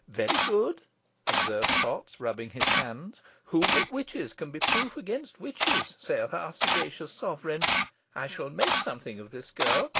very good!" observed Potts, rubbing his hands. "'Who but witches can be proof against witches?' saith our sagacious sovereign. I shall make something of this girl.